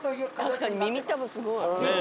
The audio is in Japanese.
確かに耳たぶすごい。